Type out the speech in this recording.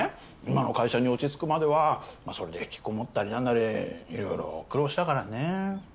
今の会社に落ち着くまではそれで引きこもったりなんなり色々苦労したからね。